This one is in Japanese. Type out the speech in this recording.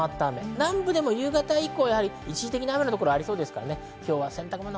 南部でも夕方以降、一時的に雨の所がありそうです。